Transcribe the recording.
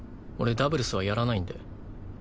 俺ダブルスはやらないんで。